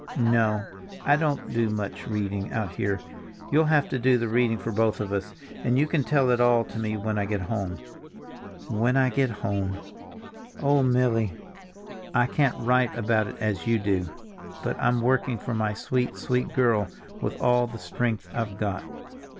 No, I don't do much reading out here; you'll have to do the reading for both of us, and you can tell it all to me when I get home. When I get home. Oh, Milly! I can't write about it as you do, but I'm working for my sweet, sweet girl with all the strength I've got."